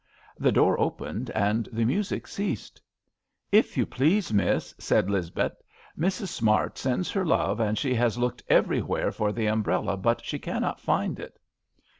The door opened and the music ceased. "If you please, Miss," said Lizbeth, " Mrs. Smart sends her love, and she has looked every where for the umbrella but she cannot find it."